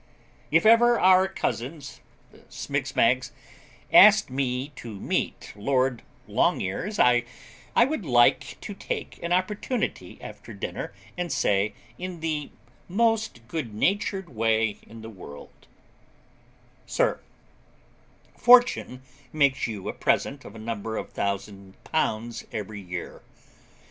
If ever our cousins, the Smigsmags, asked me to meet Lord Longears, I would like to take an opportunity after dinner and say, in the most good natured way in the world: Sir, Fortune makes you a present of a number of thousand pounds every year.